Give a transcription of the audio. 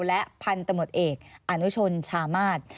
และพันธุ์ตำรวจเอกอนุชนชามาศ